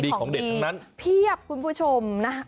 มีของดีเพียบคุณผู้ชมนะ